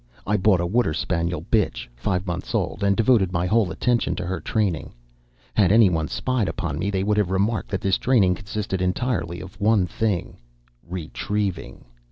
I bought a water spaniel bitch, five months old, and devoted my whole attention to her training. Had any one spied upon me, they would have remarked that this training consisted entirely of one thing—RETRIEVING.